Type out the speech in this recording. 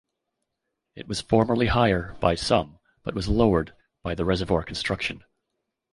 It was formerly higher by some but was lowered by the reservoir construction.